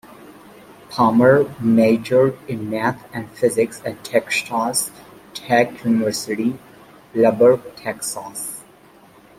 Palmer majored in Math and Physics at Texas Tech University, Lubbock, Texas.